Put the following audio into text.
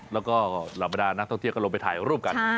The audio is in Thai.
และลับไปดาวนักท่องเที่ยวกลมไปถ่ายรูป